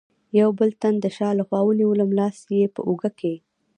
یوه بل تن د شا له خوا ونیولم، لاس یې په اوږه کې.